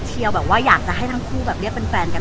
เชียร์แบบว่าอยากจะให้ทั้งคู่แบบเรียกเป็นแฟนกัน